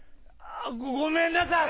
ごめんなさい！